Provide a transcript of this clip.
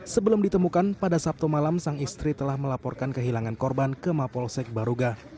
sebelum ditemukan pada sabtu malam sang istri telah melaporkan kehilangan korban ke mapolsek baruga